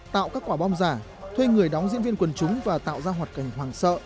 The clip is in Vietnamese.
tạo các quả bom giả thuê người đóng diễn viên quần chúng và tạo ra hoạt cảnh hoàng sợ